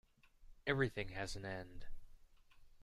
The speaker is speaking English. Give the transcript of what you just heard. Everything has an end.